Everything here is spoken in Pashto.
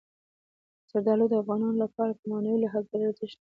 زردالو د افغانانو لپاره په معنوي لحاظ ډېر ارزښت لري.